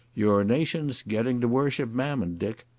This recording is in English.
Your nation's getting to worship Mammon, Dick.